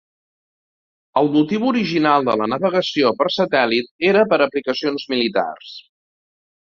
El motiu original de la navegació per satèl·lit era per aplicacions militars.